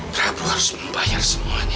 prabu harus membayar semua perbuatannya